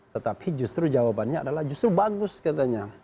tetapi justru jawabannya adalah justru bagus katanya